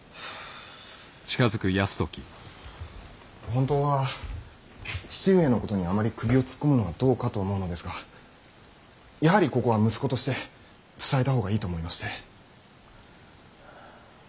本当は父上のことにあまり首を突っ込むのもどうかと思うのですがやはりここは息子として伝えた方がいいと思いまして。